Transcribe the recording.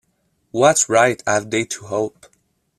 What right have they to hope?